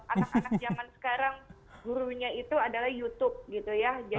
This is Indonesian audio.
anak anak zaman sekarang gurunya itu adalah youtube gitu ya